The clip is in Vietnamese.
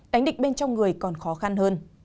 đánh địch bên trong người còn khó khăn hơn